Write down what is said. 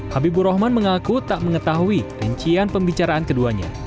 habibur rahman mengaku tak mengetahui rincian pembicaraan keduanya